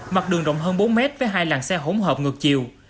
mặt đường rộng hơn bốn mét với hai làng xe hỗn hợp ngược chiều